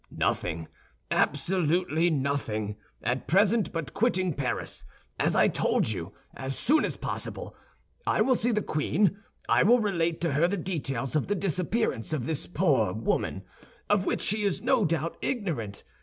"Nothing, absolutely nothing, at present, but quitting Paris, as I told you, as soon as possible. I will see the queen; I will relate to her the details of the disappearance of this poor woman, of which she is no doubt ignorant.